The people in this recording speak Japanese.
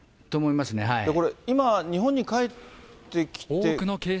これ、今、日本に帰ってきて。